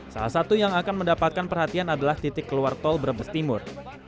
salah satu yang akan mendapatkan perhatian adalah titik keluar tol brebes timur